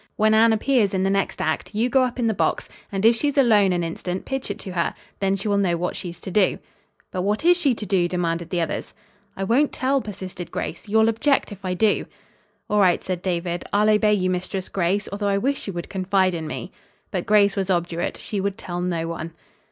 When Anne appears in the next act, you go up in the box, and if she's alone an instant pitch it to her. Then she will know what she's to do." "But what is she to do?" demanded the others. "I won't tell," persisted Grace. "You'll object, if I do." "All right," said David. "I'll obey you Mistress Grace, although I wish you would confide in me." But Grace was obdurate. She would tell no one.